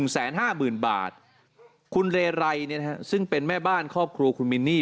๑แสนห้าหมื่นบาทคุณเรไรซึ่งเป็นแม่บ้านครอบครัวคุณมินนี่